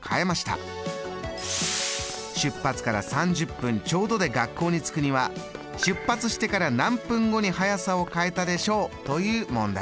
出発から３０分ちょうどで学校に着くには出発してから何分後に速さを変えたでしょう」という問題でした。